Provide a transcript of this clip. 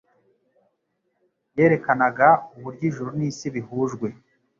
Yerekanaga uburyo ijuru n'isi bihujwe,